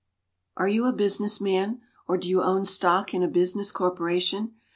Are you a businessman, or do you own stock in a business corporation?